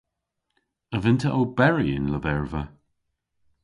A vynn'ta oberi y'n lyverva?